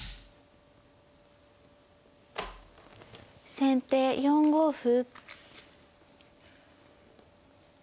先手４五歩。